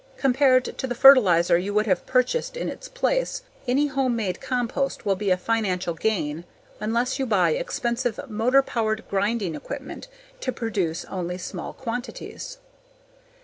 Compared to the fertilizer you would have purchased in its place, any homemade compost will be a financial gain unless you buy expensive motor powered grinding equipment to produce only small quantities.